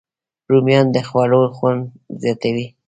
رومیان د خوړو خوند زیاتوي